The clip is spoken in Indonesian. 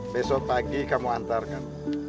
besok pagi kamu hantar kan